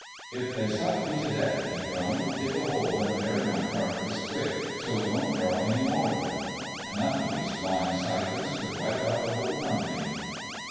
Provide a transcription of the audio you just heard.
"If they suck me to death," he groaned, "dig a hole and bury my carcass quick so it won't draw any more of them. Enough of these flying siphons could wipe out the whole company."